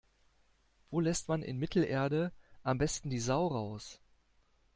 Wo lässt man in Mittelerde am besten die Sau raus?